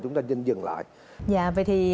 chúng ta nên dừng lại vậy thì